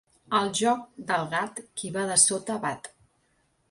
Al joc del gat, qui va dessota, bat.